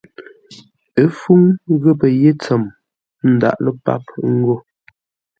Ə́ fúŋ ghəpə́ yé ntsəm, ə́ ńdáʼ lə́ páp ńgó.